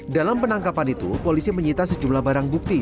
dalam penangkapan itu polisi menyita sejumlah barang bukti